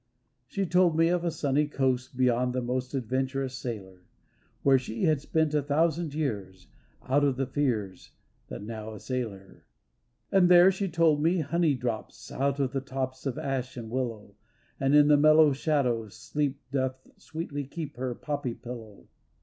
She told me of a sunny coast Beyond the most adventurous sailor, Where she had spent a thousand years Out of the fears that now assail her. And there, she told me, honey drops Out of the tops of ash and willow, And in the mellow shadow Sleep Doth sweetly keep her poppy pillow.